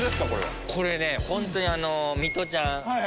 これねホントにあのミトちゃん。